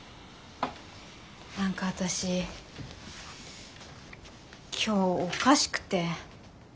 何か私今日おかしくて。